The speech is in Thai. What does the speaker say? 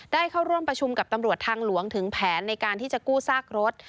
ได้เข้าร่วมประชุมกับตำรวจทางหลวงถึงแผนในการที่จะกู้ซากรถ